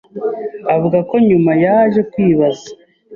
Avuga ko nyuma yaje kwibaza